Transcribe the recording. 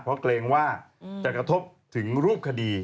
เพราะเกรงว่าจะกระทบถึงรูปคดี